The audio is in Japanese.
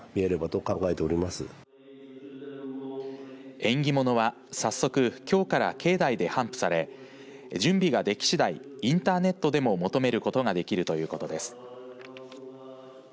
縁起物は早速きょうから境内で頒布され準備ができしだいインターネットでも求めることができるということです。